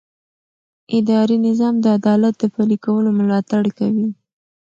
اداري نظام د عدالت د پلي کولو ملاتړ کوي.